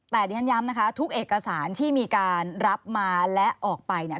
แต่ดิฉันย้ำนะคะทุกเอกสารที่มีการรับมาและออกไปเนี่ย